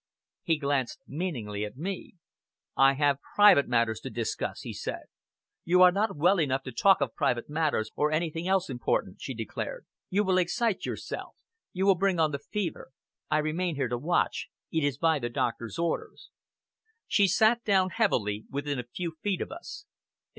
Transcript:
He glanced meaningly at me. "I have private matters to discuss!" he said. "You are not well enough to talk of private matters, or anything else important," she declared. "You will excite yourself. You will bring on the fever. I remain here to watch. It is by the doctor's orders." She sat down heavily within a few feet of us.